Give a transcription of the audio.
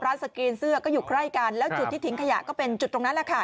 สกรีนเสื้อก็อยู่ใกล้กันแล้วจุดที่ทิ้งขยะก็เป็นจุดตรงนั้นแหละค่ะ